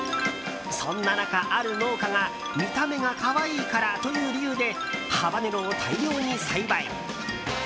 そんな中、ある農家が見た目が可愛いからという理由で、ハバネロを大量に栽培。